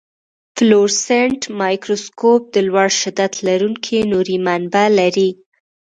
فلورسنټ مایکروسکوپ د لوړ شدت لرونکي نوري منبع لري.